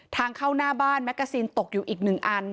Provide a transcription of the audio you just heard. ทางเข้าหน้าบ้านแม็กซินตกอยู่อีกหนึ่งอัน